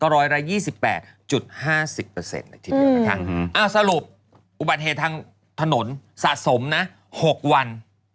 ก็ร้อยละ๒๘๕๐เปอร์เซ็นต์สรุปอุบัติเหตุทางถนนสะสม๖วัน